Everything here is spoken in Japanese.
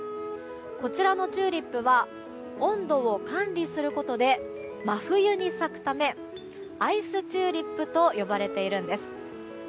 こちらのチューリップは温度を管理することで真冬に咲くためアイスチューリップと呼ばれているんです。